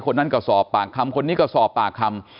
คนนั้นก็สอบปากคำคนนี้ก็สอบปากคำ